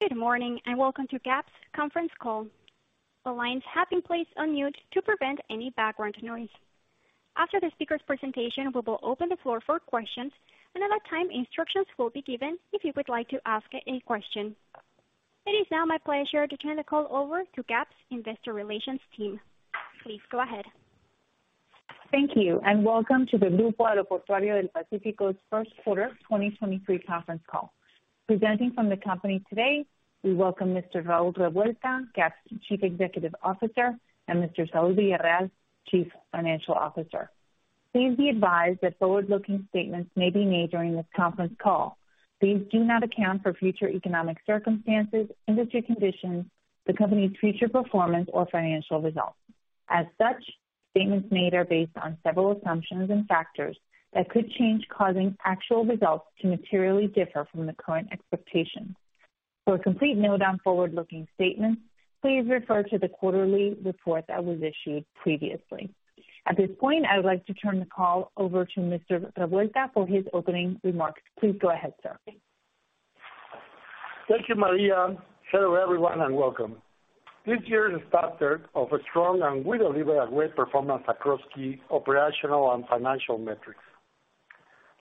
Good morning, welcome to GAP's conference call. The lines have been placed on mute to prevent any background noise. After the speaker's presentation, we will open the floor for questions, and at that time, instructions will be given if you would like to ask any question. It is now my pleasure to turn the call over to GAP's Investor Relations team. Please go ahead. Thank you. Welcome to the Grupo Aeroportuario del Pacífico's first quarter 2023 conference call. Presenting from the company today, we welcome Mr. Raúl Revuelta, GAP's Chief Executive Officer, and Mr. Saúl Villarreal, Chief Financial Officer. Please be advised that forward-looking statements may be made during this conference call. These do not account for future economic circumstances, industry conditions, the company's future performance, or financial results. Statements made are based on several assumptions and factors that could change, causing actual results to materially differ from the current expectations. For a complete note on forward-looking statements, please refer to the quarterly report that was issued previously. At this point, I would like to turn the call over to Mr. Revuelta for his opening remarks. Please go ahead, sir. Thank you, Maria. Hello, everyone, and welcome. This year has started off strong, and we delivered a great performance across key operational and financial metrics.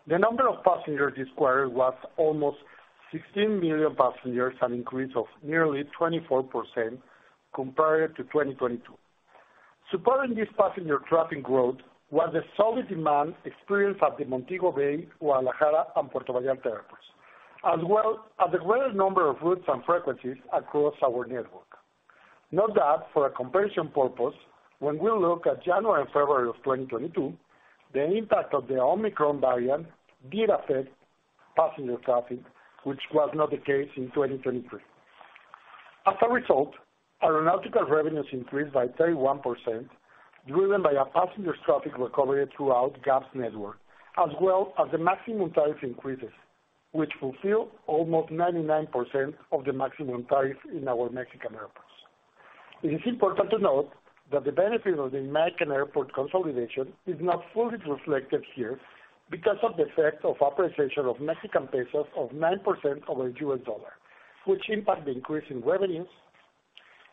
The number of passengers this quarter was almost 16 million passengers, an increase of nearly 24% compared to 2022. Supporting this passenger traffic growth was the solid demand experienced at the Montego Bay, Guadalajara, and Puerto Vallarta airports, as well as a greater number of routes and frequencies across our network. Note that for a comparison purpose, when we look at January and February of 2022, the impact of the Omicron variant did affect passenger traffic, which was not the case in 2023. As a result, our aeronautical revenues increased by 31%, driven by a passengers traffic recovery throughout GAP's network, as well as the maximum tariff increases, which fulfill almost 99% of the maximum tariff in our Mexican airports. It is important to note that the benefit of the Mexican airport consolidation is not fully reflected here because of the effect of appreciation of Mexican pesos of 9% over U.S. dollar, which impact the increase in revenues.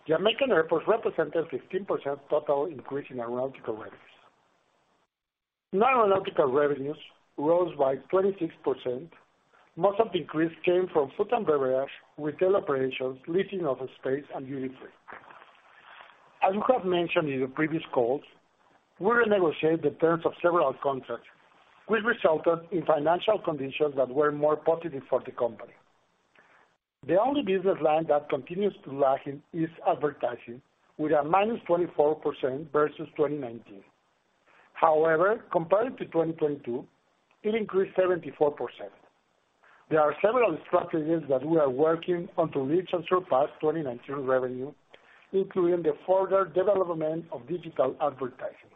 Jamaican airports represented 15% total increase in aeronautical revenues. Non-aeronautical revenues rose by 26%. Most of the increase came from food and beverage, retail operations, leasing of space, and duty free. As we have mentioned in the previous calls, we renegotiated the terms of several contracts, which resulted in financial conditions that were more positive for the company. The only business line that continues to lag is advertising, with a -24% versus 2019. Compared to 2022, it increased 74%. There are several strategies that we are working on to reach and surpass 2019 revenue, including the further development of digital advertising,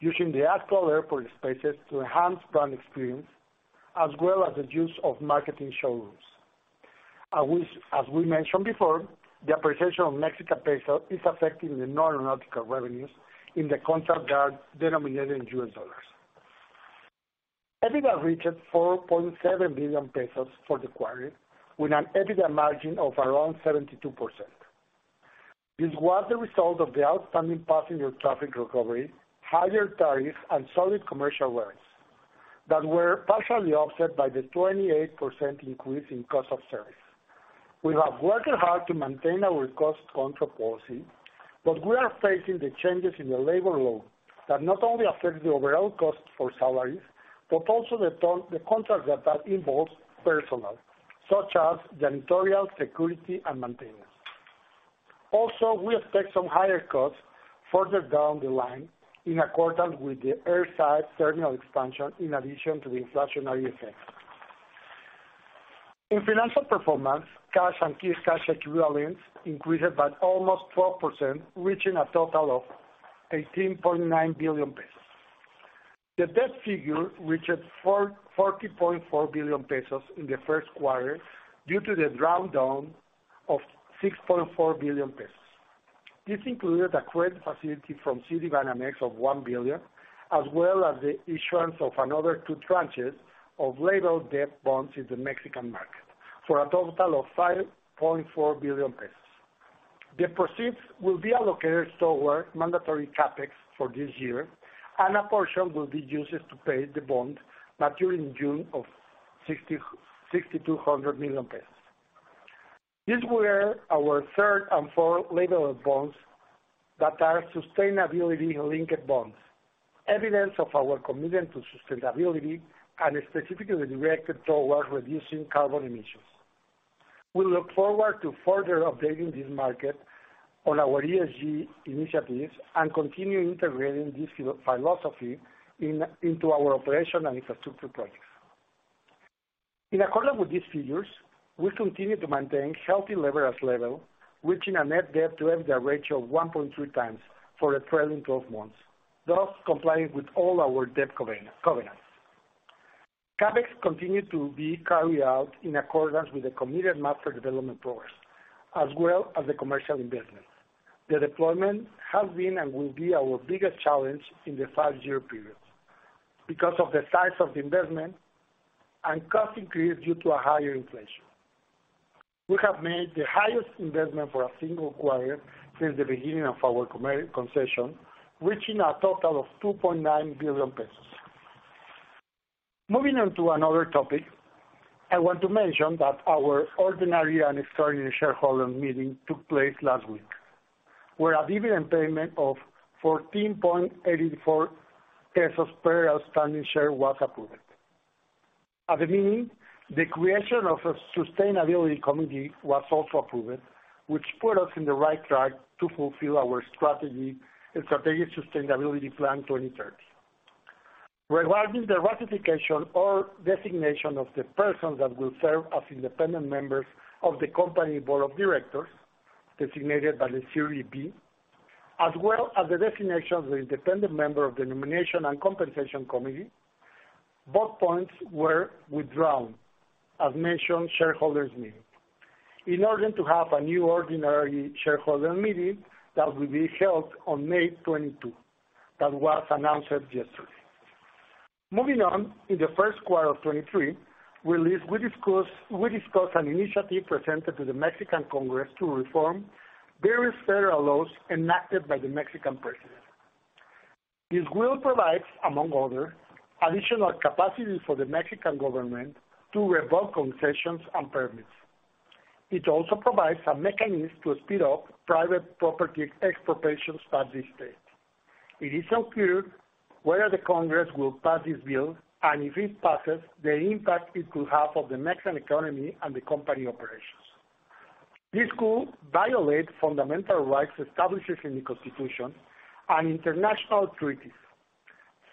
using the ad hoc airport spaces to enhance brand experience, as well as the use of marketing showrooms. We, as we mentioned before, the appreciation of Mexican peso is affecting the non-aeronautical revenues in the contracts that are denominated in U.S. dollars. EBITDA reached 4.7 billion pesos for the quarter, with an EBITDA margin of around 72%. This was the result of the outstanding passenger traffic recovery, higher tariffs, and solid commercial rents that were partially offset by the 28% increase in cost of service. We have worked hard to maintain our cost control policy, but we are facing the changes in the labor law that not only affect the overall cost for salaries, but also the contracts that involves personnel, such as janitorial, security, and maintenance. We expect some higher costs further down the line in accordance with the air side terminal expansion, in addition to the inflationary effects. In financial performance, cash and cash equivalents increased by almost 12%, reaching a total of 18.9 billion pesos. The debt figure reached 40.4 billion pesos in the first quarter due to the drawdown of 6.4 billion pesos. This included a credit facility from Citibanamex of 1 billion, as well as the issuance of another two tranches of labelled debt bonds in the Mexican market, for a total of 5.4 billion pesos. The proceeds will be allocated toward mandatory CapEx for this year. A portion will be used to pay the bond maturing in June of 200 million pesos. These were our third and fourth labelled bonds that are sustainability-linked bonds, evidence of our commitment to sustainability and specifically directed towards reducing carbon emissions. We look forward to further updating this market on our ESG initiatives and continue integrating this philosophy into our operation and infrastructure projects. In accordance with these figures, we continue to maintain healthy leverage level, reaching a net debt to EBITDA ratio of 1.3 times for the trailing 12 months, thus complying with all our debt covenants. CapEx continued to be carried out in accordance with the committed Master Development Program, as well as the commercial investments. The deployment has been and will be our biggest challenge in the five-year period. Because of the size of the investment and cost increase due to a higher inflation. We have made the highest investment for a single quarter since the beginning of our concession, reaching a total of 2.9 billion pesos. Moving on to another topic, I want to mention that our ordinary and extraordinary shareholder meeting took place last week, where a dividend payment of 14.84 pesos per outstanding share was approved. At the meeting, the creation of a sustainability committee was also approved, which put us in the right track to fulfill our Strategic Sustainability Plan 2030. Regarding the ratification or designation of the persons that will serve as independent members of the company board of directors designated by the CIBR. As well as the designation of the independent member of the Nomination and Compensation Committee, both points were withdrawn as mentioned shareholders meeting. In order to have a new ordinary shareholder meeting that will be held on May 22, that was announced yesterday. Moving on, in the 1st quarter of 2023, we discuss an initiative presented to the Mexican Congress to reform various federal laws enacted by the Mexican president. This will provide, among other, additional capacity for the Mexican government to revoke concessions and permits. It also provides a mechanism to speed up private property expropriations by the state. It is not clear whether the Congress will pass this bill, and if it passes, the impact it will have on the Mexican economy and the company operations. This could violate fundamental rights established in the Constitution and international treaties,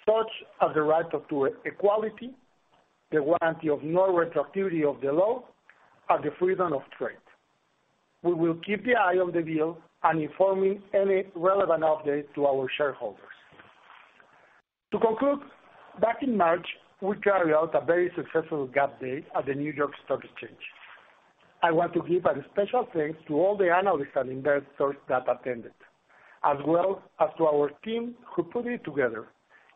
such as the right to equality, the warranty of nowhere to activity of the law, and the freedom of trade. We will keep the eye on the bill and informing any relevant update to our shareholders. To conclude, back in March, we carried out a very successful GAP Day at the New York Stock Exchange. I want to give a special thanks to all the analysts and investors that attended, as well as to our team who put it together.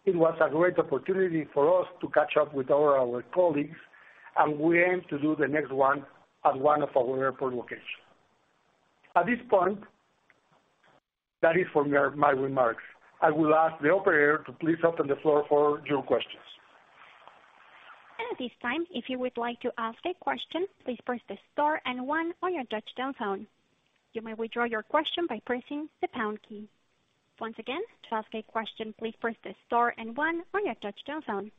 It was a great opportunity for us to catch up with all our colleagues, and we aim to do the next one at one of our airport locations. At this point, that is for my remarks. I will ask the operator to please open the floor for your questions. At this time, if you would like to ask a question, please press the star and one on your touchtone phone. You may withdraw your question by pressing the pound key. Once again, to ask a question, please press the star and one on your touchtone phone.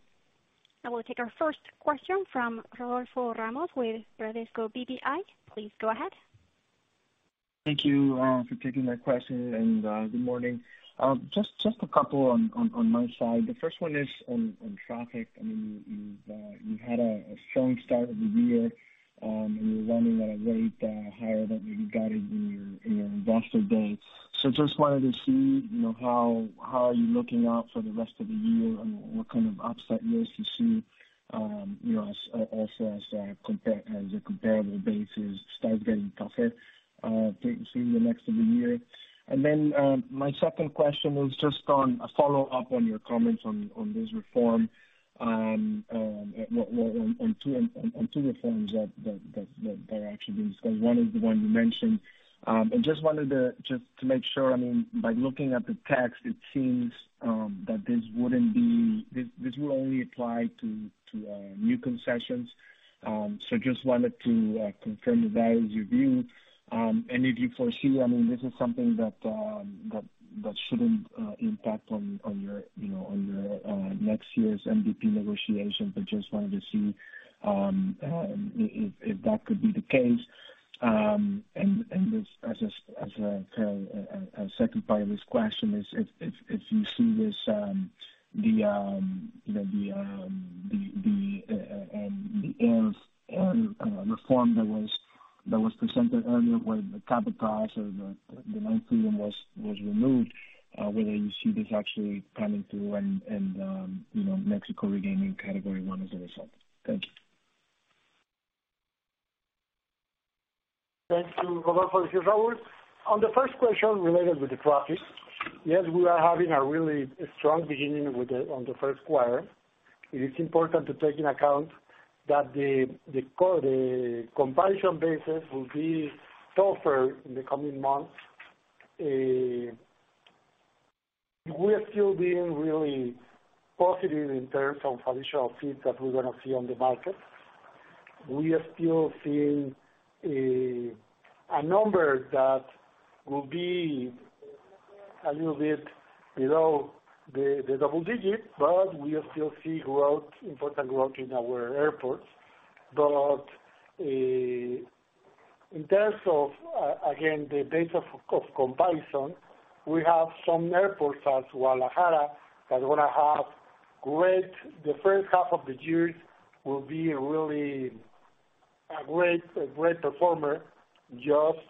I will take our first question from Rodolfo Ramos with Bradesco BBI. Please go ahead. Thank you for taking my question and good morning. Just a couple on my side. The first one is on traffic. I mean, you've had a strong start of the year, and you're running at a rate higher than you guided in your GAP Day. Just wanted to see, you know, how are you looking out for the rest of the year and what kind of upside risk you see, you know, also as the comparable basis starts getting tougher through the rest of the year. My second question was just on a follow-up on your comments on this reform. On two reforms that are actually being discussed. One is the one you mentioned. Just wanted to, just to make sure, I mean, by looking at the text, it seems that this wouldn't be. This will only apply to new concessions. Just wanted to confirm that as your view, and if you foresee, I mean, this is something that shouldn't impact on your, you know, on your next year's MDP negotiations. Just wanted to see if that could be the case. As a second part of this question is if you see this, the, you know, the air reform that was presented earlier, where the capital gains or the night premium was removed. Whether you see this actually coming through and, you know, Mexico regaining Category 1 as a result. Thank you. Thank you, Rodolfo. On the first question related with the traffic, yes, we are having a really strong beginning on the first quarter. It is important to take in account that the comparison basis will be tougher in the coming months. We are still being really positive in terms of additional fees that we're gonna see on the market. We are still seeing a number that will be a little bit below the double digit, but we still see growth, important growth in our airports. In terms of, again, the base of comparison, we have some airports, as Guadalajara, that are gonna have great. The first half of the year will be really a great performer. Just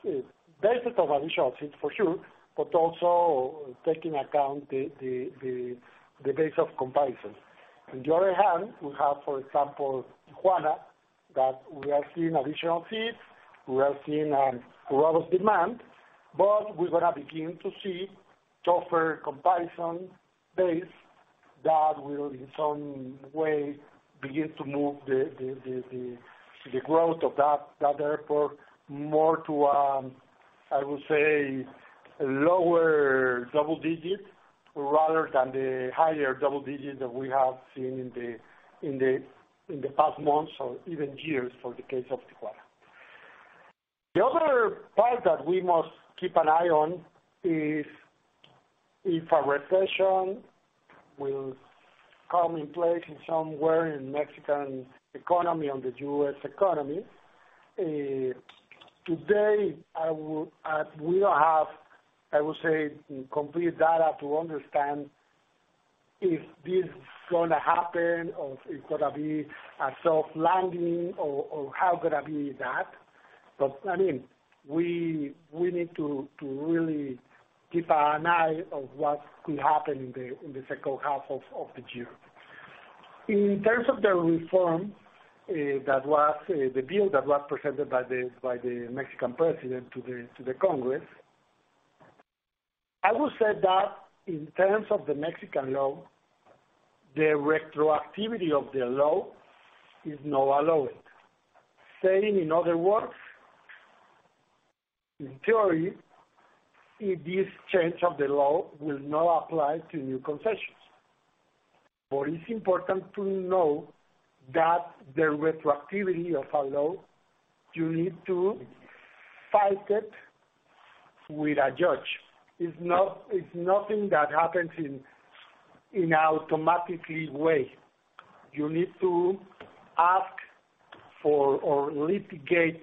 based on additional seats for sure, but also taking account the base of comparison. On the other hand, we have, for example, Tijuana, that we are seeing additional fees. We are seeing a robust demand. We're gonna begin to see tougher comparison base that will in some way begin to move the growth of that airport more to, I would say lower double digit rather than the higher double digit that we have seen in the past months or even years for the case of Tijuana. The other part that we must keep an eye on is if a recession will come in place in somewhere in Mexican economy, on the U.S. economy. Today, we don't have, I would say, complete data to understand if this is gonna happen or if it's gonna be a soft landing or how gonna be that. I mean, we need to really keep an eye on what could happen in the second half of the year. In terms of the reform, that was the bill that was presented by the Mexican President to the Congress. I will say that in terms of the Mexican law, the retroactivity of the law is not allowed. Saying in other words, in theory, if this change of the law will not apply to new concessions. It's important to know that the retroactivity of our law, you need to fight it with a judge. It's nothing that happens in automatically way. You need to ask for or litigate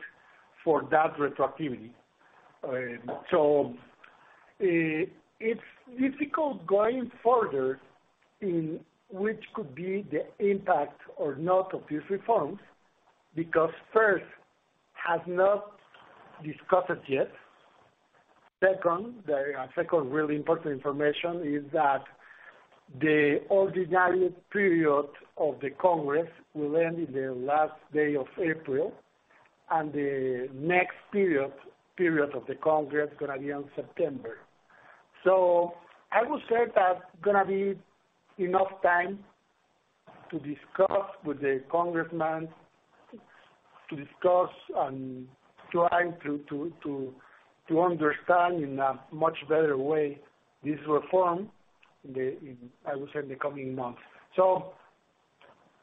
for that retroactivity. It's difficult going further in which could be the impact or not of these reforms because first has not discussed it yet. Second, the second really important information is that the ordinary period of the Congress will end in the last day of April, and the next period of the Congress gonna be on September. I will say that gonna be enough time to discuss with the congressman, to discuss and try to understand in a much better way this reform in the coming months.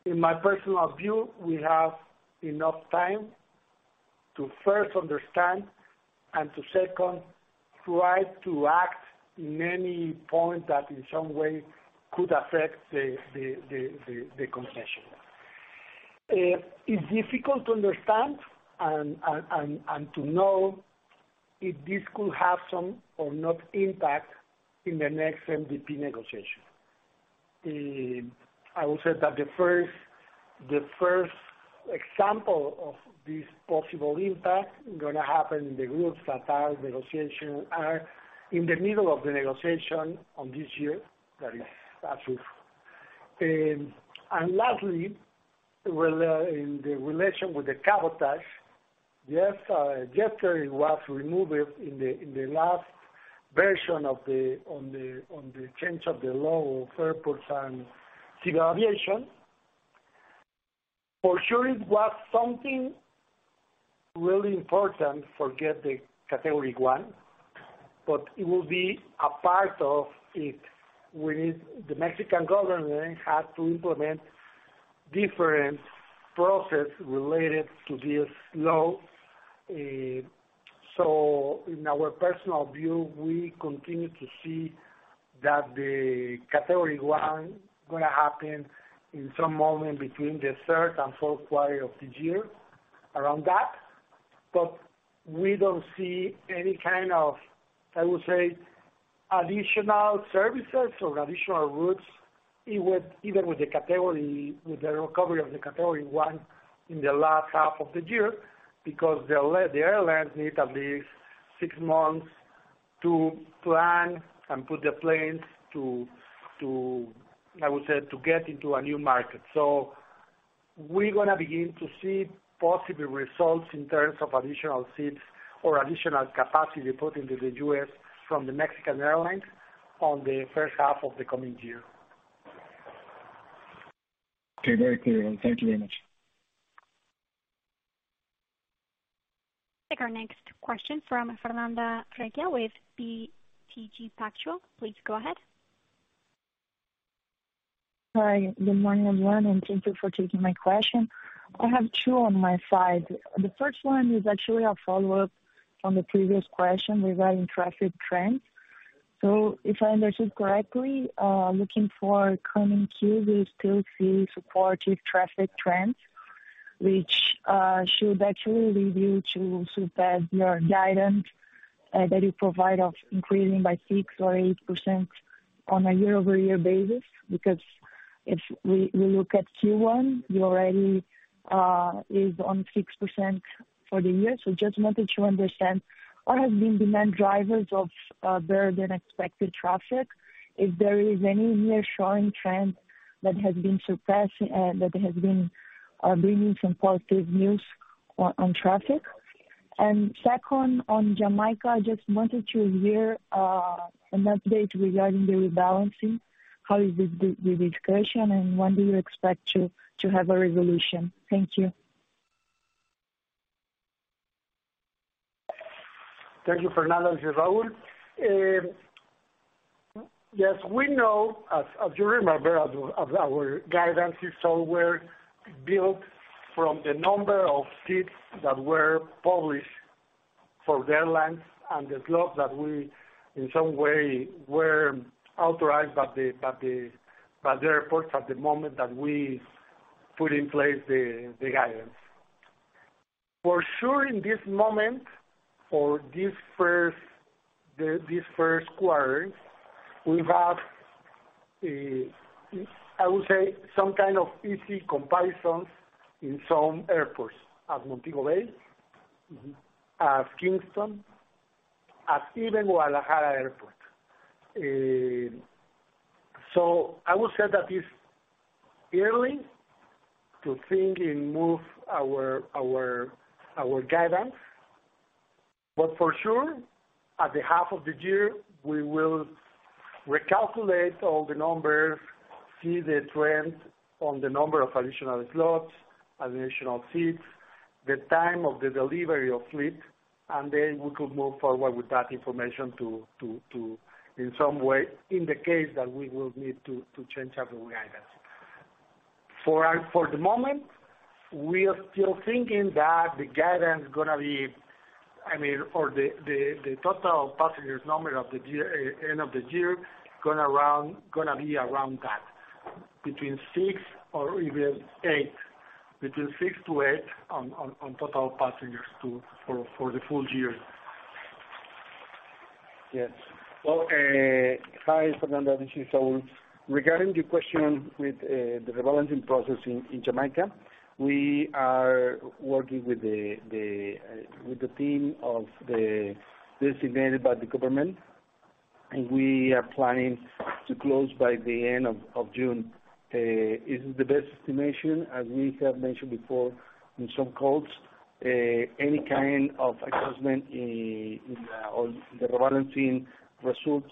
In my personal view, we have enough time to first understand and to second try to act in any point that in some way could affect the concession. It's difficult to understand and to know if this could have some or not impact in the next MDP negotiation. I will say that the first example of this possible impact gonna happen in the grupo ASUR negotiation are in the middle of the negotiation on this year. That is as is. Lastly, in the relation with the cabotage. Yes, yesterday it was removed in the last version on the change of the law of airports and civil aviation. For sure, it was something really important for get the Category 1, but it will be a part of it. The Mexican government had to implement different process related to this law. In our personal view, we continue to see that the Category 1 gonna happen in some moment between the 3rd and 4th quarter of the year around that. We don't see any kind of, I would say, additional services or additional routes even with the category, with the recovery of the Category 1 in the last half of the year, because the airlines need at least 6 months to plan and put the planes to, I would say, to get into a new market. We're gonna begin to see possible results in terms of additional seats or additional capacity put into the U.S. from the Mexican airlines on the 1st half of the coming year. Okay. Very clear. Thank you very much. Take our next question from Fernanda Recchia with BTG Pactual. Please go ahead. Hi, good morning, everyone, and thank you for taking my question. I have two on my side. The first one is actually a follow-up from the previous question regarding traffic trends. If I understood correctly, looking for coming Q, we still see supportive traffic trends which should actually lead you to surpass your guidance that you provide of increasing by 6% or 8% on a year-over-year basis. If we look at Q1, you already is on 6% for the year. Just wanted to understand what has been demand drivers of better than expected traffic? If there is any nearshoring trend that has been surpassing that has been bringing some positive news on traffic? Second, on Jamaica, I just wanted to hear an update regarding the rebalancing. How is the discussion, when do you expect to have a resolution? Thank you. Thank you, Fernanda. This is Raúl. Yes, we know as you remember, as our guidance is all were built from the number of seats that were published for airlines and the slots that we, in some way, were authorized by the airports at the moment that we put in place the guidance. For sure, in this moment, for this first quarter, we have, I would say some kind of easy comparisons in some airports, at Montego Bay. At Kingston, at even Guadalajara Airport. I would say that it's early to think and move our guidance. For sure, at the half of the year, we will recalculate all the numbers, see the trends on the number of additional slots, additional seats, the time of the delivery of fleet, then we could move forward with that information to in some way indicate that we will need to change our guidance. For the moment, we are still thinking that the guidance gonna be, I mean, or the total passengers number of the year, end of the year gonna be around that, between 6 or even 8. Between 6 to 8 on total passengers for the full year. Yes. Hi Fernanda, this is Saúl. Regarding the question with the rebalancing process in Jamaica, we are working with the team designated by the government, and we are planning to close by the end of June. It's the best estimation as we have mentioned before in some calls. Any kind of adjustment on the rebalancing results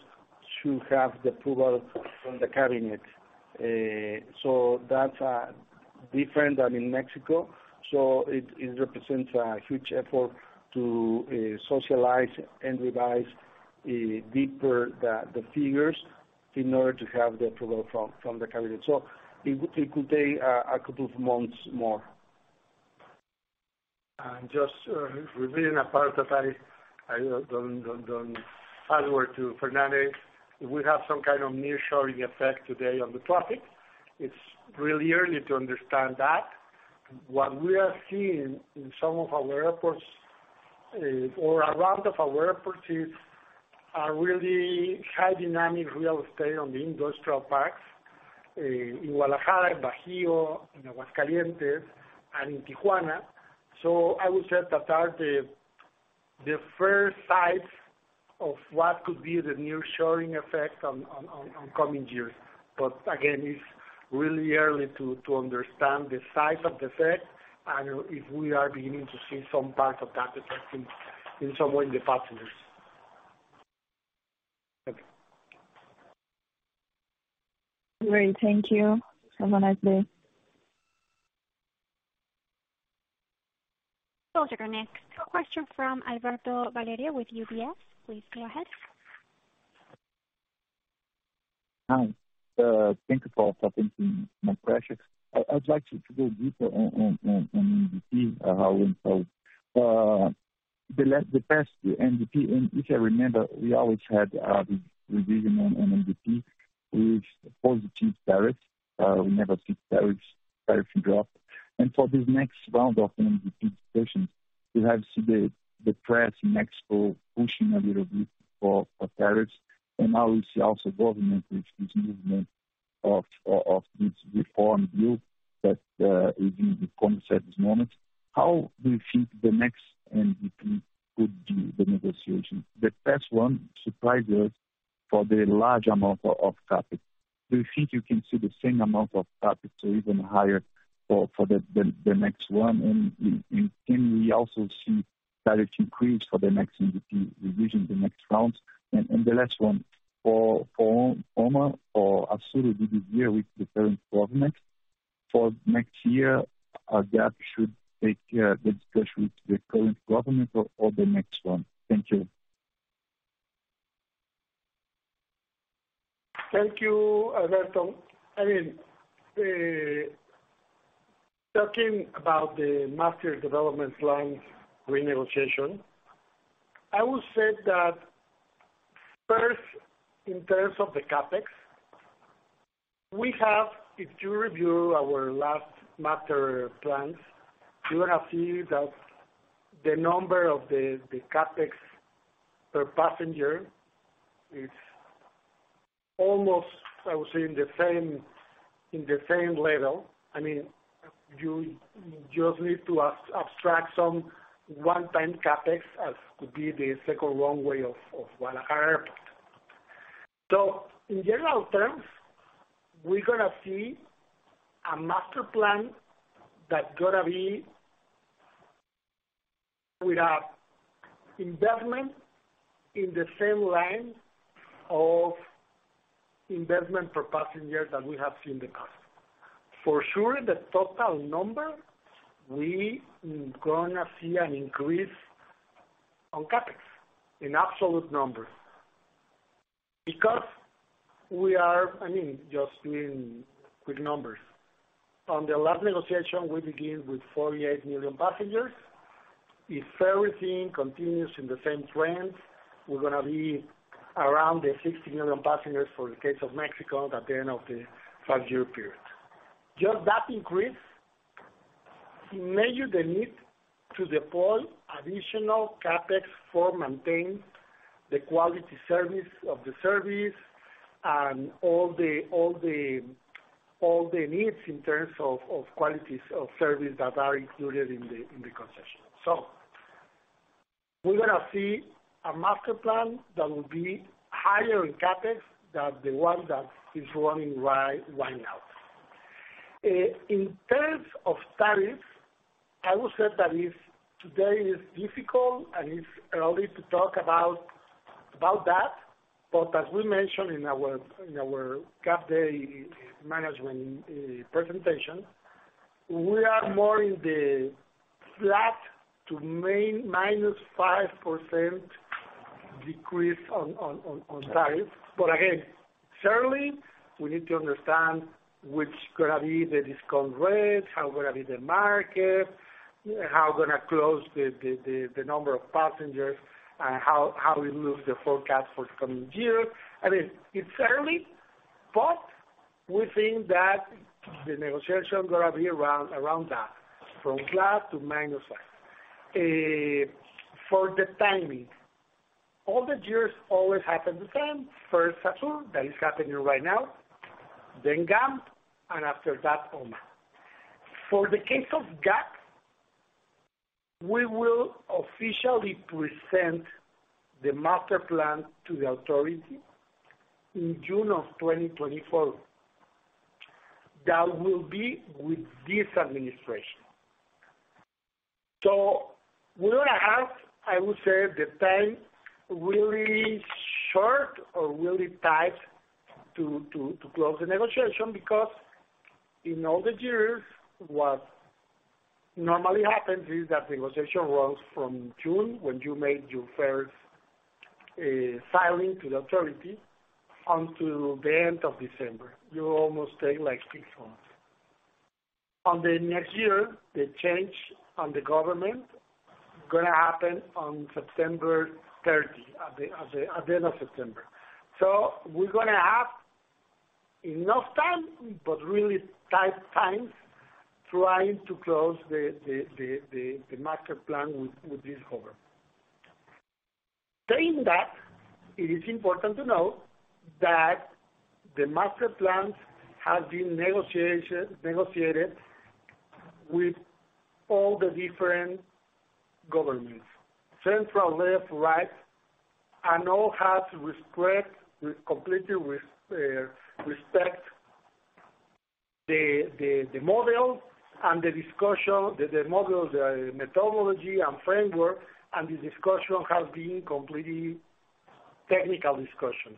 should have the approval from the cabinet. That's different than in Mexico, so it represents a huge effort to socialize and revise deeper the figures in order to have the approval from the cabinet. It could take a couple of months more. Just repeating a part that I don't add word to Fernanda. We have some kind of nearshoring effect today on the traffic. It's really early to understand that. What we are seeing in some of our airports, or around of our airports is a really high dynamic real estate on the industrial parks, in Guadalajara, in Bajio, in Aguascalientes, and in Tijuana. I would say that are the first signs of what could be the nearshoring effect on coming years. Again, it's really early to understand the size of the effect and if we are beginning to see some parts of that effect in some way in the passengers. Okay. Great. Thank you. Have a nice day. Operator, next question from Alberto Valerio with UBS. Please go ahead. Hi. Thank you for taking my question. I'd like to go deeper on MDP, Raúl. The past MDP, and if I remember, we always had the revision on MDP with positive tariffs. We never see tariffs, tariff drop. For this next round of MDP discussions, we have seen the press in Mexico pushing a little bit for tariffs, and now we see also government with this movement of this reform view that is in the congress at this moment. How do you think the next MDP could be, the negotiation? The past one surprised us for the large amount of CapEx. Do you think you can see the same amount of CapEx or even higher for the next one? Can we also see tariff increase for the next MDP revision, the next rounds? The last one, for Omar or Arturo, this is year with the current government. For next year, that should take the discussion with the current government or the next one? Thank you. Thank you, Alberto. I mean, talking about the Master Development Plans renegotiation, I would say that first, in terms of the CapEx, we have, if you review our last Master Development Plans, you will see that the number of the CapEx per passenger is almost, I would say, in the same level. I mean, you just need to abstract some one-time CapEx as could be the second runway of Guadalajara Airport. In general terms, we're going to see a Master Plan that's going to be without investment in the same line of investment per passenger that we have seen the cost. For sure, the total number we're going to see an increase on CapEx in absolute numbers because I mean, just doing quick numbers. On the last negotiation, we begin with 48 million passengers. If everything continues in the same trends, we're gonna be around the 60 million passengers for the case of Mexico at the end of the 5-year period. Just that increase measure the need to deploy additional CapEx for maintain the quality service of the service and all the needs in terms of qualities of service that are included in the concession. We're gonna see a master plan that will be higher in CapEx than the one that is running right now. In terms of tariffs, I would say that is today is difficult and it's early to talk about that. As we mentioned in our GAP Day management presentation, we are more in the flat to minus 5% decrease on tariffs. Again, surely we need to understand which gonna be the discount rate, how gonna be the market, how gonna close the number of passengers and how we move the forecast for the coming year. I mean, it's early, but we think that the negotiation gonna be around that, from flat to -5%. For the timing, all the years always happen the same. First, ASUR, that is happening right now, then OMA, and after that, OMA. For the case of GAP, we will officially present the master plan to the authority in June of 2024. That will be with this administration. We're gonna have, I would say, the time really short or really tight to close the negotiation because in all the years, what normally happens is that the negotiation runs from June, when you make your first filing to the authority, until the end of December. You almost take like 6 months. On the next year, the change on the government gonna happen on September 30, at the end of September. We're gonna have enough time, but really tight times trying to close the Master Plan with this cover. Saying that, it is important to note that the Master Plans have been negotiated with all the different governments. Central, left, right, and all have respect with completely respect the model and the discussion. The model, the methodology and framework and the discussion has been completely technical discussion.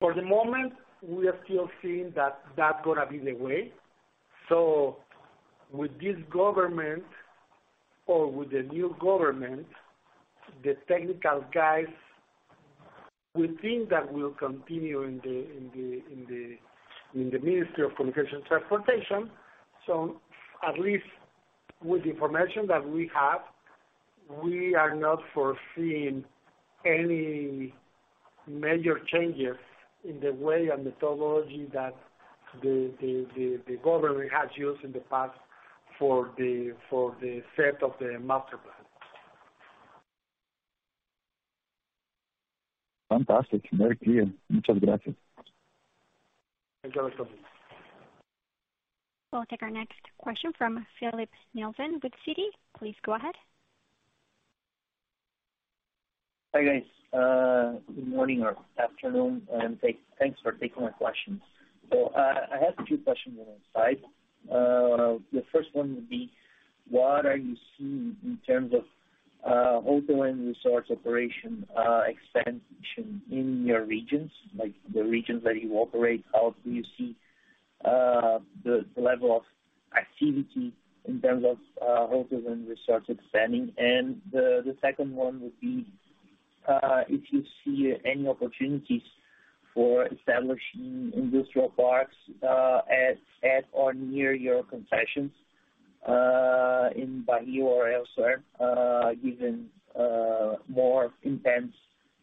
For the moment, we are still seeing that that gonna be the way. With this government or with the new government, the technical guys, we think that will continue in the Ministry of Communications and Transportation. At least with the information that we have, we are not foreseeing any major changes in the way and methodology that the government has used in the past for the set of the master plans. Fantastic. Very clear. Muchas gracias. Thank you very much. We'll take our next question from Filipe Nielsen with Citi. Please go ahead. Hi, guys. Good morning or afternoon, and thanks for taking my questions. I have a few questions on the side. The first one would be what are you seeing in terms of hotel and resorts operation, expansion in your regions, like the regions that you operate? How do you see the level of activity in terms of hotels and resorts expanding? The second one would be if you see any opportunities for establishing industrial parks at or near your concessions in Bajío or elsewhere, given more intense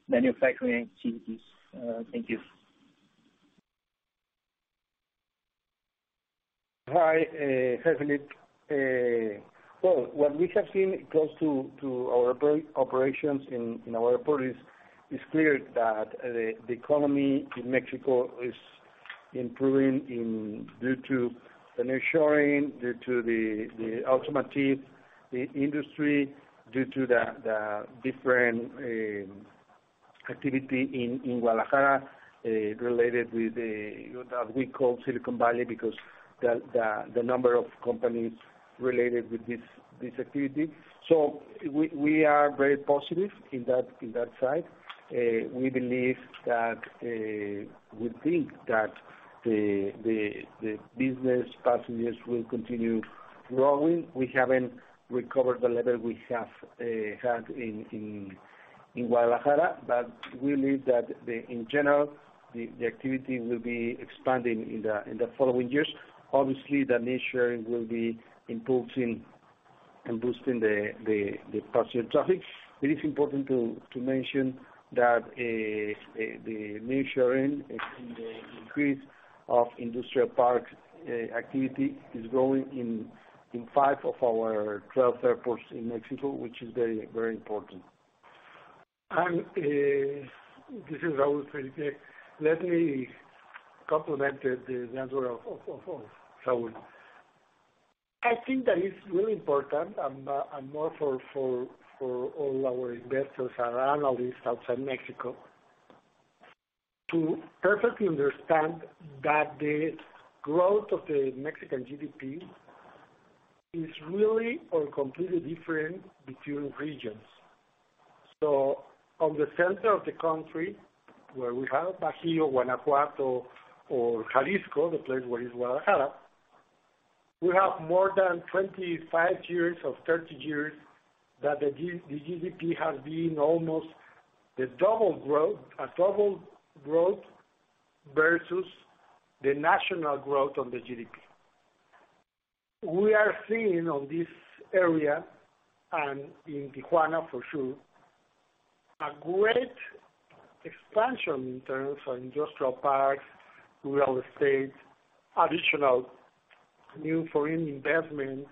manufacturing activities. Thank you. Hi, hi, Filipe. Well, what we have seen close to our operations in our report is clear that the economy in Mexico. Improving in due to the nearshoring, due to the automotive industry, due to the different activity in Guadalajara related with what we call Silicon Valley because the number of companies related with this activity. We are very positive in that side. We believe that we think that the business passengers will continue growing. We haven't recovered the level we have had in Guadalajara. We believe that in general, the activity will be expanding in the following years. Obviously, the nature will be impulsing and boosting the passenger traffic. It is important to mention that the nature and the increase of industrial parks activity is growing in 5 of our 12 airports in Mexico, which is very important. This is Raúl Revuelta. Let me complement the answer of Saúl. I think that it's really important, and more for all our investors and analysts outside Mexico, to perfectly understand that the growth of the Mexican GDP is really or completely different between regions. On the center of the country, where we have Bajio, Guanajuato or Jalisco, the place where is Guadalajara, we have more than 25 years or 30 years that the GDP has been almost the double growth, a double growth versus the national growth on the GDP. We are seeing on this area, and in Tijuana for sure, a great expansion in terms of industrial parks, real estate, additional new foreign investments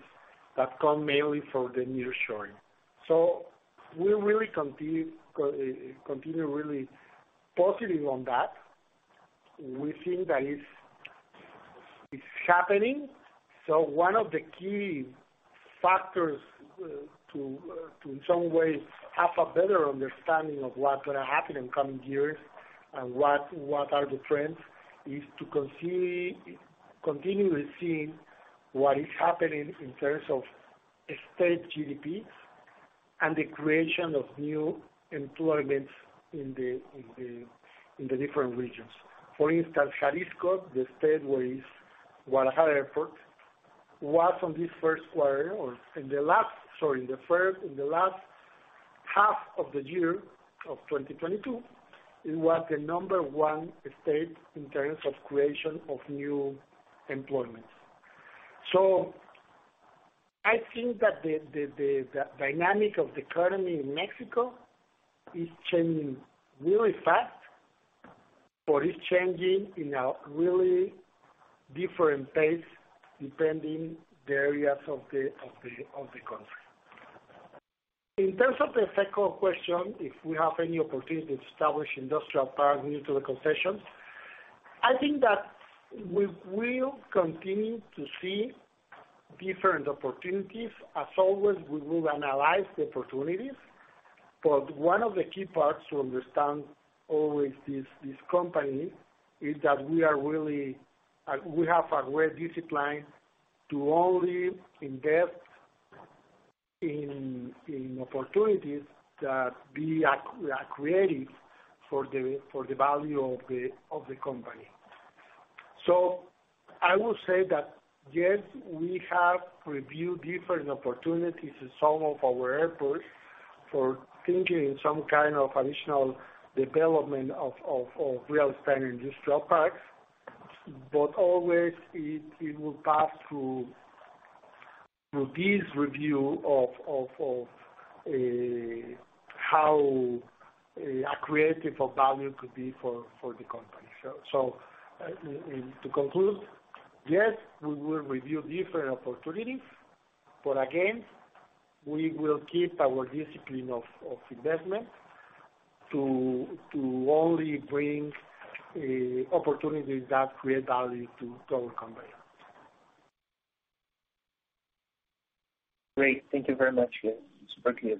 that come mainly from the nearshoring. We really continue really positive on that. We think it's happening. One of the key factors to in some way have a better understanding of what's gonna happen in coming years and what are the trends, is to continually seeing what is happening in terms of state GDP and the creation of new employments in the different regions. For instance, Jalisco, the state where is Guadalajara Airport, was on this first quarter or in the last half of the year of 2022, it was the number 1 state in terms of creation of new employment. I think that the dynamic of the economy in Mexico is changing really fast, but it's changing in a really different pace depending the areas of the country. In terms of the second question, if we have any opportunity to establish industrial parks new to the concessions, I think that we will continue to see different opportunities. As always, we will analyze the opportunities. One of the key parts to understand always this company is that we are really, we have a great discipline to only invest in opportunities that be accretive for the value of the company. I will say that yes, we have reviewed different opportunities in some of our airports for thinking some kind of additional development of real estate and industrial parks. Always it will pass through this review of how accretive of value could be for the company. To conclude, yes, we will review different opportunities. Again, we will keep our discipline of investment to only bring opportunities that create value to our company. Great. Thank you very much. Super clear.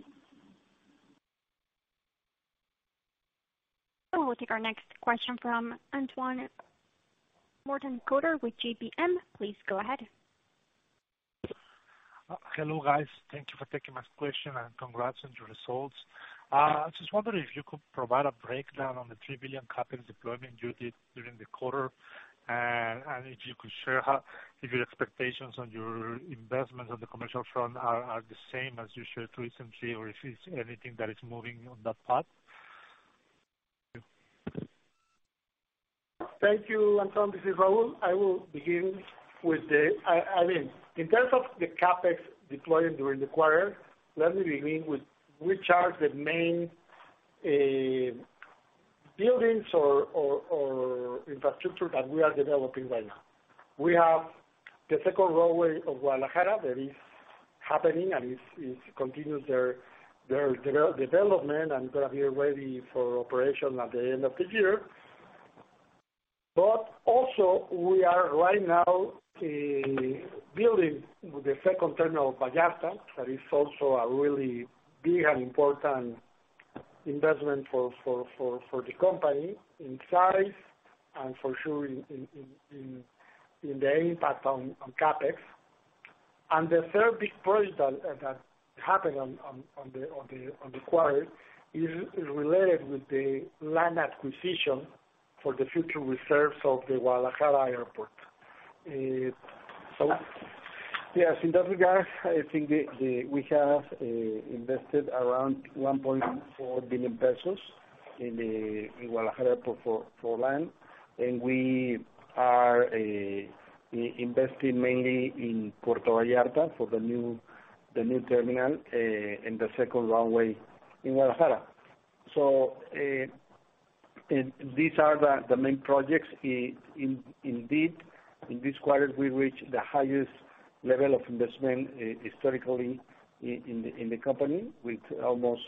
We'll take our next question from Anton Mortenkotter with GPM. Please go ahead. Hello, guys. Thank you for taking my question, and congrats on your results. I was just wondering if you could provide a breakdown on the 3 billion capital deployment you did during the quarter, and if you could share if your expectations on your investments on the commercial front are the same as you shared recently, or if it's anything that is moving on that path? Thank you, Antoine. This is Raúl. I mean, in terms of the CapEx deployed during the quarter, let me begin with which are the main buildings or infrastructure that we are developing right now. We have the second runway of Guadalajara that is happening and is continuous their development and gonna be ready for operation at the end of the year. Also we are right now building the second terminal of Vallarta. That is also a really big and important investment for the company in size and for sure in the impact on CapEx. The third big project that happened on the quarter is related with the land acquisition for the future reserves of the Guadalajara Airport. Yes, in that regard, I think we have invested around 1.4 billion pesos in Guadalajara for land, and we are investing mainly in Puerto Vallarta for the new terminal and the second runway in Guadalajara. These are the main projects. Indeed, in this quarter we reached the highest level of investment historically in the company with almost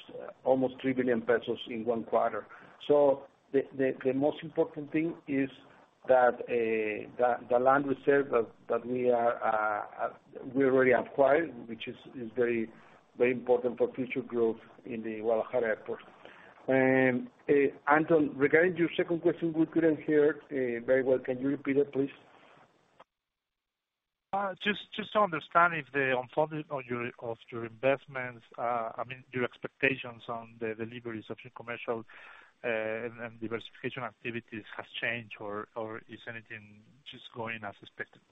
3 billion pesos in 1 quarter. The most important thing is that the land reserve that we are we already acquired, which is very important for future growth in the Guadalajara Airport. Anton, regarding your second question, we couldn't hear very well. Can you repeat it, please? just to understand if the unfolding of your investments, I mean, your expectations on the deliveries of your commercial and diversification activities has changed or is anything just going as expected?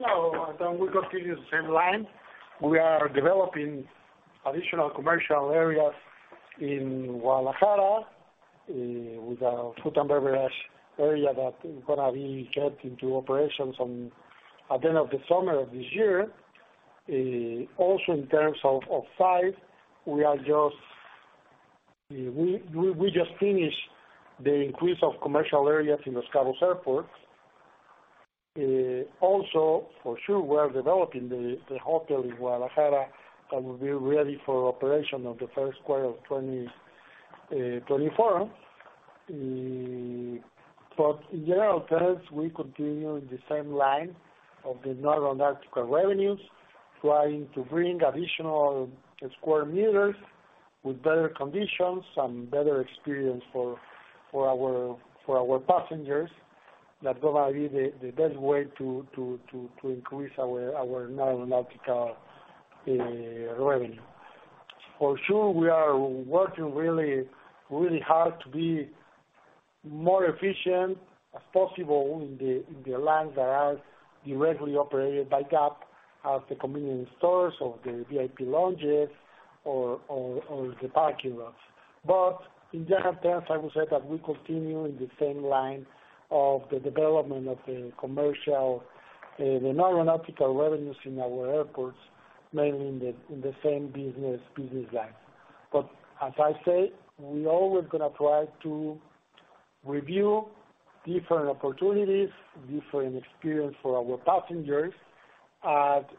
No, Anton. We continue the same line. We are developing additional commercial areas in Guadalajara, with our food and beverage area that is gonna be get into operations at the end of the summer of this year. Also in terms of size, we just finished the increase of commercial areas in Los Cabos Airport. Also for sure we are developing the hotel in Guadalajara that will be ready for operation on the first quarter of 2024. In general terms, we continue in the same line of the non-aeronautical revenues, trying to bring additional square meters with better conditions and better experience for our passengers. That gonna be the best way to increase our non-aeronautical revenue. For sure we are working really, really hard to be more efficient as possible in the lines that are directly operated by GAP as the convenience stores or the VIP lounges or the parking lots. In general terms, I would say that we continue in the same line of the development of the commercial, the non-aeronautical revenues in our airports, mainly in the same business line. As I say, we always gonna try to review different opportunities, different experience for our passengers.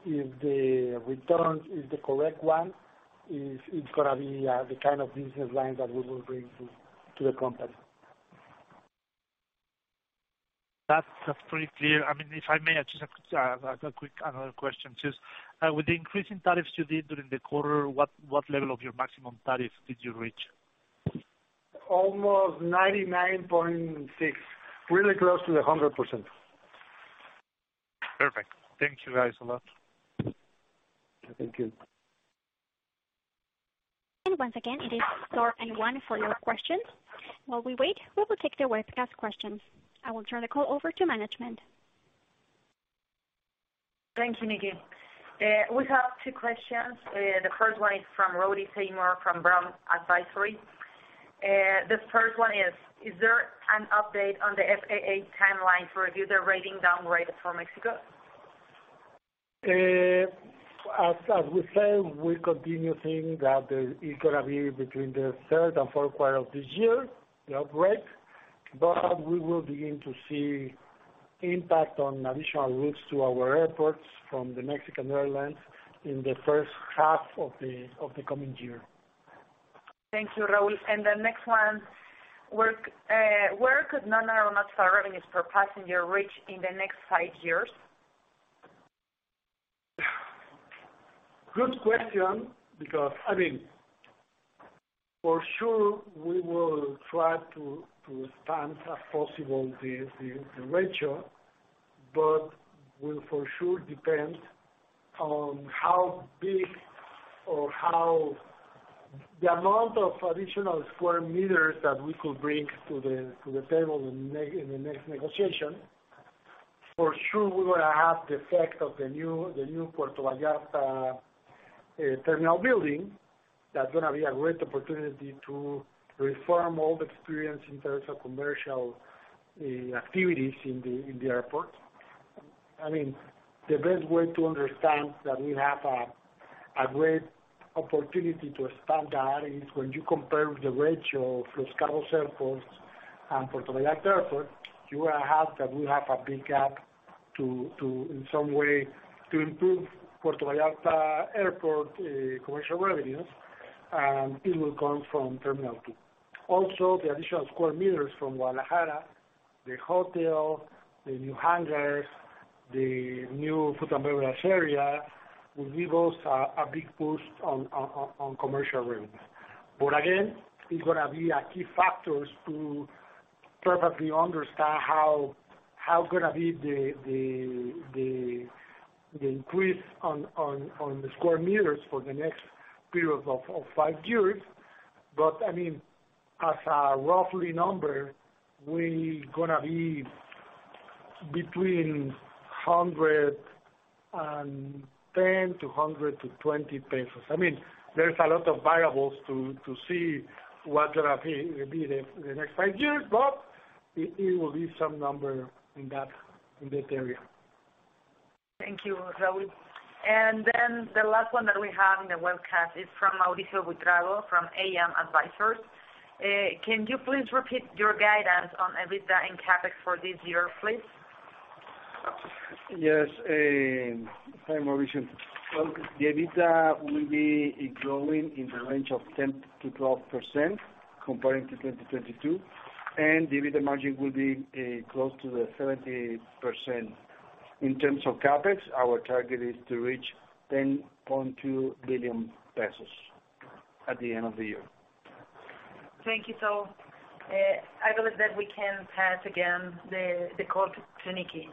If the return is the correct one, it's gonna be the kind of business line that we will bring to the company. That's pretty clear. I mean, if I may, just a quick another question. Just with the increase in tariffs you did during the quarter, what level of your maximum tariff did you reach? Almost 99.6%. Really close to the 100%. Perfect. Thank you guys a lot. Thank you. Once again, it is star and one for your questions. While we wait, we will take the webcast questions. I will turn the call over to management. Thank you, Nikki. We have two questions. The first one is from Roddy Seymour from Brown Advisory. This first one is there an update on the FAA timeline to review their rating downgrade for Mexico? As we said, we continue seeing that, it's gonna be between the third and fourth quarter of this year, the upgrade. We will begin to see impact on additional routes to our airports from the Mexican Airlines in the first half of the coming year. Thank you, Raúl. The next one. Where could non-aeronautical revenues per passenger reach in the next five years? Good question, because I mean, for sure we will try to expand as possible the ratio, but will for sure depend on how big or how the amount of additional square meters that we could bring to the table in the next negotiation. For sure we will have the effect of the new Puerto Vallarta terminal building. That's gonna be a great opportunity to reform all the experience in terms of commercial activities in the airport. I mean, the best way to understand that we have a great opportunity to expand that is when you compare the ratio of Los Cabos Airport and Puerto Vallarta Airport, you will have that we have a big gap to in some way to improve Puerto Vallarta Airport commercial revenues, it will come from terminal 2. Also, the additional square meters from Guadalajara, the hotel, the new hangars, the new food and beverage area, will give us a big boost on commercial revenues. Again, it's gonna be a key factors to perfectly understand how gonna be the increase on the square meters for the next period of 5 years. I mean, as a roughly number, we gonna be between 110-120 pesos. I mean, there's a lot of variables to see what gonna be the next 5 years. It will be some number in that area. Thank you, Raúl. Then the last one that we have in the webcast is from Mauricio Buitrago from AM Advisors. Can you please repeat your guidance on EBITDA and CapEx for this year, please? Hi, Mauricio. Well, the EBITDA will be growing in the range of 10%-12% comparing to 2022, and the EBITDA margin will be close to the 70%. In terms of CapEx, our target is to reach 10.2 billion pesos at the end of the year. Thank you. I believe that we can pass again the call to Nikki.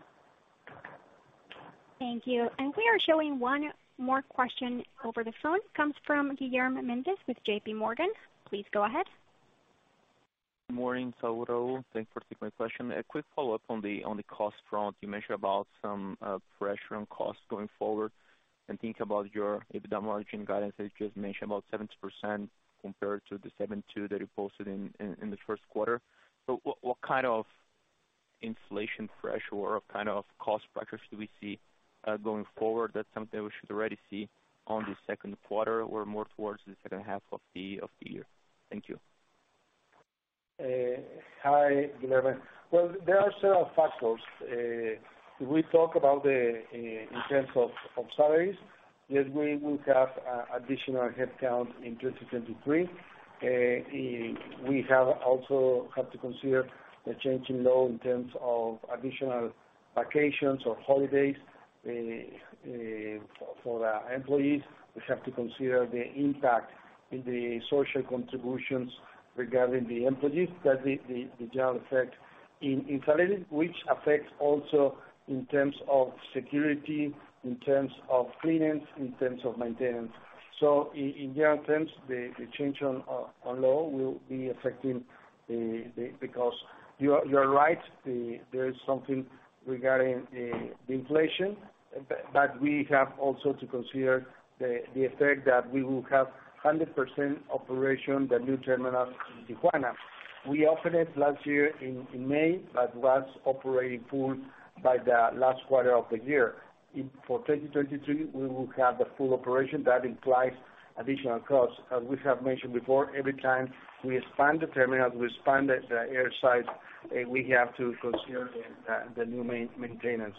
Thank you. We are showing one more question over the phone. Comes from Guilherme Mendes with JPMorgan. Please go ahead. Morning, Raúl. Thanks for taking my question. A quick follow-up on the cost front. You mentioned about some pressure on costs going forward. I think about your EBITDA margin guidance that you just mentioned, about 70% compared to the 72% that you posted in the first quarter. What kind of inflation pressure or kind of cost pressures do we see going forward? That's something we should already see on the second quarter or more towards the second half of the year? Thank you. Hi, Guilherme. Well, there are several factors. We talk about the in terms of salaries, that we will have additional headcount in 2023. We have also have to consider the changing law in terms of additional vacations or holidays for the employees. We have to consider the impact in the social contributions regarding the employees. That's the general effect in salaries, which affects also in terms of security, in terms of clearance, in terms of maintenance. In general terms, the change on law will be affecting the. Because you are right. There is something regarding the inflation, but we have also to consider the effect that we will have 100% operation, the new terminal in Tijuana. We opened it last year in May, but was operating full by the last quarter of the year. For 2023, we will have the full operation. That implies additional costs. As we have mentioned before, every time we expand the terminal, we expand the air side, we have to consider the new maintenance.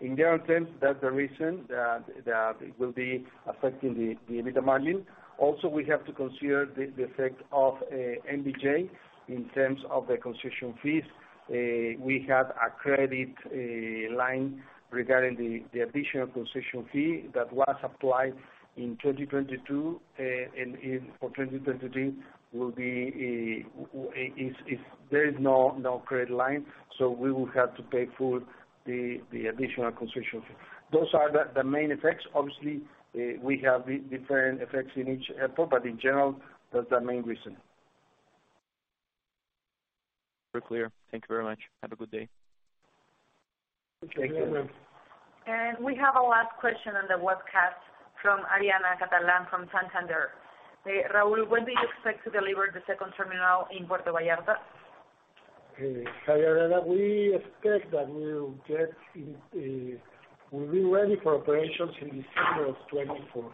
In general terms, that's the reason that it will be affecting the EBITDA margin. We have to consider the effect of MBJ in terms of the concession fees. We have a credit line regarding the additional concession fee that was applied in 2022. For 2023 will be, there is no credit line, so we will have to pay full the additional concession fee. Those are the main effects. Obviously, we have different effects in each airport, but in general, that's the main reason. Super clear. Thank you very much. Have a good day. Thank you. We have a last question on the webcast from Ariana Catalán from Santander. Raúl, when do you expect to deliver the second terminal in Puerto Vallarta? Hi, Ariana. We expect that we will get in, we'll be ready for operations in December of 2024.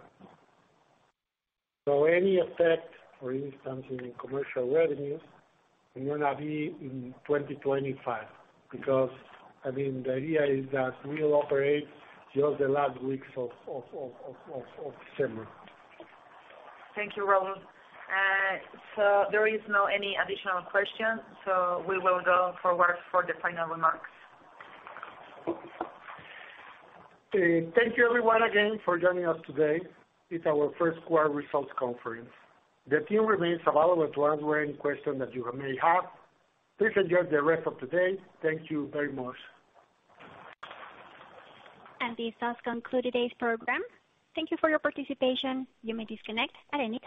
Any effect, for instance, in commercial revenues is gonna be in 2025 because, I mean, the idea is that we'll operate just the last weeks of December. Thank you, Raúl. There is no any additional questions, so we will go forward for the final remarks. Thank you everyone again for joining us today. It's our first quarter results conference. The team remains available to answer any question that you may have. Please enjoy the rest of the day. Thank you very much. This does conclude today's program. Thank you for your participation. You may disconnect at any time.